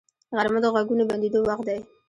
غرمه د غږونو بندیدو وخت دی